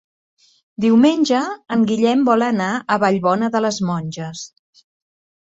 Diumenge en Guillem vol anar a Vallbona de les Monges.